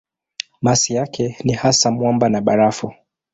Masi yake ni hasa mwamba na barafu.